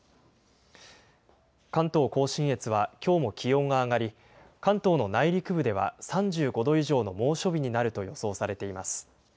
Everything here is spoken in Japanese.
関東甲信越はきょうも気温が上がり、関東の内陸部では、３５度以上の猛暑日になると予想されています。